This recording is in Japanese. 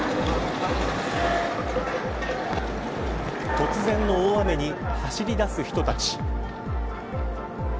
突然の大雨に走り出す人たち。